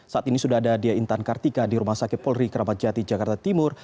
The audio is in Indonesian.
saat ini sudah ada dia intan kartika di rumah sakit polri keramat jati jakarta timur